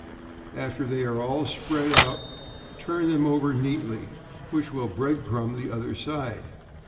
After they are all spread out, turn them over neatly, which will bread crumb the other side.